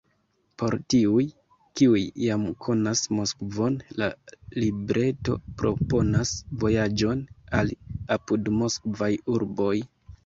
Por tiuj, kiuj jam konas Moskvon, la libreto proponas vojaĝon al apudmoskvaj urboj.